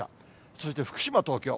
続いて福島、東京。